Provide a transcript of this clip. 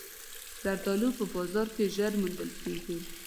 زردالو په بازار کې ژر موندل کېږي.